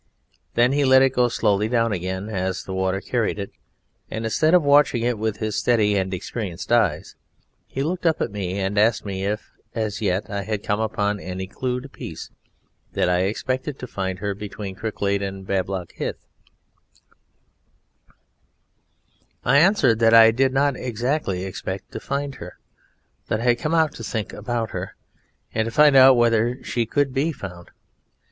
Then he let it go slowly down again as the water carried it, and instead of watching it with his steady and experienced eyes he looked up at me and asked me if, as yet, I had come upon any clue to Peace, that I expected to find Her between Cricklade and Bablock Hythe. I answered that I did not exactly expect to find Her, that I had come out to think about Her, and to find out whether She could be found.